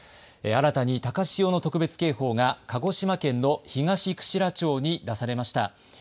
新たに高潮の特別警報が鹿児島県の東串良町に出されました。